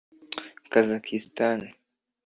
Kazakhstan